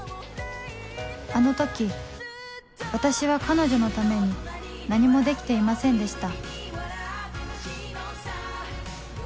あの時私は彼女のために何もできていませんでした